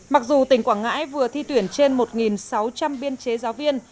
mặc dù tỉnh quảng ngãi vừa thi tuyển trên một sáu trăm linh biên chế giáo viên